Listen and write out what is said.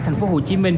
thành phố hồ chí minh